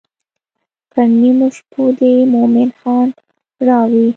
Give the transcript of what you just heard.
پر نیمو شپو دې مومن خان راوی.